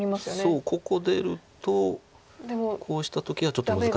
そうここ出るとこうした時はちょっと難しいんですけど。